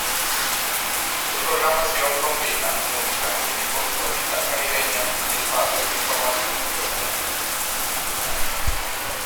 Su programación combina música de tipo tropical-caribeña y espacios de información y opinión.